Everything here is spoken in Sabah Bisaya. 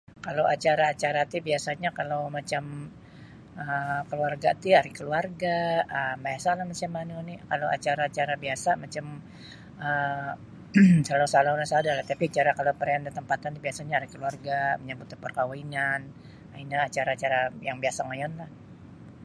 Kalau acara-acara ti biasanya kalau macam um keluarga ti hari keluarga um biasalah macam manu ni kalau acara-acara biasa macam um salau-salau no sada lah tapi kalau cara perayaan tampatan biasanya hari keluarga manyambut da perkahwinan ino acara-acara yang biasa ngoyon la.